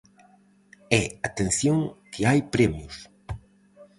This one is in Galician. E atención que hai premios!